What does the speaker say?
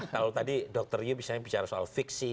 kalau tadi dr ryu misalnya bicara soal fiksi